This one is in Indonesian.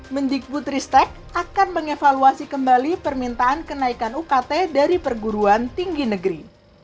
mendikbud ristek akan mengevaluasi kembali permintaan kenaikan ukt dari perguruan tinggi negeri